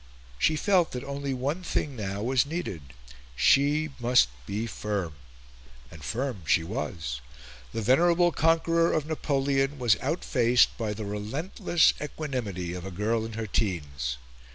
She felt that only one thing now was needed: she must be firm. And firm she was. The venerable conqueror of Napoleon was outfaced by the relentless equanimity of a girl in her teens.